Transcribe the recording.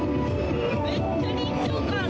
めっちゃ臨場感ある！